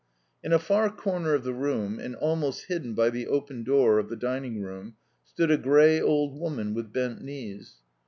In a far corner of the room, and almost hidden by the open door, of the dining room, stood a grey old woman with bent knees.